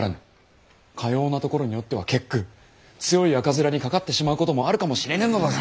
かようなところにおっては結句強い赤面にかかってしまうこともあるかもしれぬのだぞ。